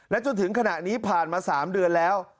จนถึงขณะนี้ผ่านมา๓เดือนแล้ว